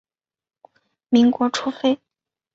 民国初废。